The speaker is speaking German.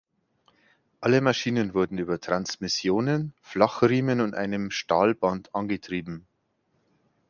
Alle Maschinen wurden über Transmissionen, Flachriemen und einem Stahlband angetrieben.